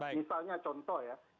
misalnya contoh ya